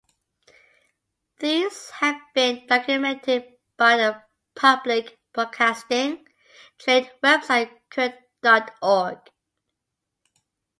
These have been documented by the public broadcasting trade website Current dot org.